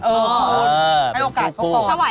เออให้โอกาสเขาคูย